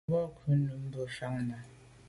O ba kwa’ mènmebwô fan nà.